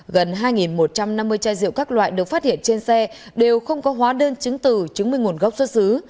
gần hai một trăm năm mươi chai rượu các loại được phát hiện trên xe đều không có hóa đơn chứng từ chứng minh nguồn gốc xuất xứ